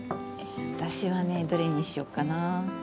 私はね、どれにしよっかな？